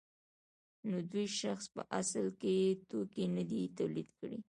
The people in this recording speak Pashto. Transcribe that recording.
نو دې شخص په اصل کې توکي نه دي تولید کړي